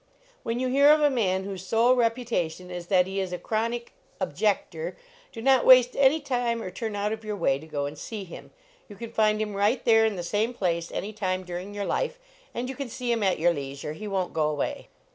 When you hear of a man whose sole reputation is that he is a chronic ob jector, do not waste any time or turn out of your way to go and see him. You can find him right there, in the same place, any time during your life, and you can see him at your leisure. He won t go away."